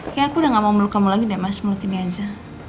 kayak aku udah gak mau meluk kamu lagi deh mas meluk ini aja